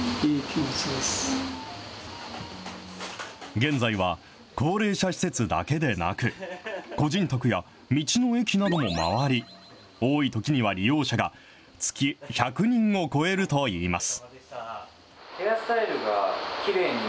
現在は、高齢者施設だけでなく、個人宅や道の駅なども回り、多いときには利用者が月１００人を超えるといいます。